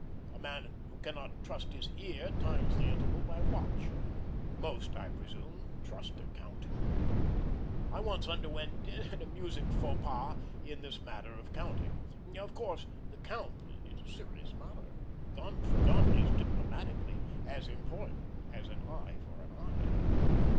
A man who cannot trust his ear times the interval by watch; most, I presume, trust their counting. I once underwent an amusing faux pas in this matter of counting. Of course, the count is a serious matter; gun for gun is diplomatically as important as an eye for an eye.